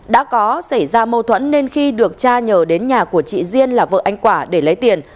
đã có xảy ra mâu thuẫn nên khi được cha nhờ đến nhà của chị diên là vợ anh quả để lấy tiền